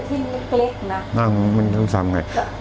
ควายแต่ละตัวนี้ไปที่นี้เกล็กนะมันต้องทำยังไง